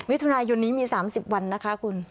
มิถุนายนนี้มี๓๐วันนะคะคุณ